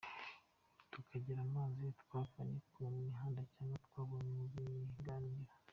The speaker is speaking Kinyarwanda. Tukagira amazina twavanye ku mihanda cyangwa twavanye mu biganiro.